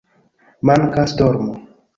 Mankas dormo